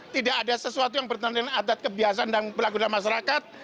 tidak ada sesuatu yang bertentangan dengan adat kebiasaan yang berlaku dalam masyarakat